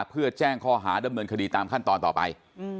เพื่อแจ้งข้อหาดำเนินคดีตามขั้นตอนต่อไป